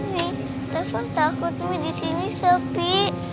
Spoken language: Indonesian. nih rafa takut nih di sini sepi